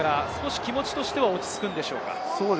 気持ちとしては落ち着くんでしょうか？